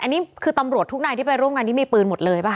อันนี้คือตำรวจทุกนายที่ไปร่วมงานนี้มีปืนหมดเลยป่